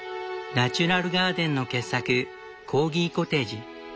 ナチュラルガーデンの傑作コーギコテージ。